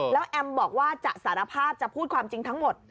แล้วแอมบอกว่าจะสารภาพจะพูดความจริงทั้งหมด